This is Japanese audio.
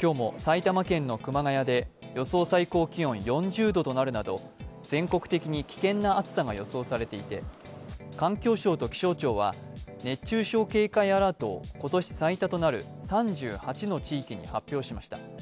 今日も埼玉県の熊谷で予想最高気温４０度となるなど全国的に危険な暑さが予想されていて、環境省と気象庁は熱中症警戒アラートを今年最多となる３８の地域に発表しました。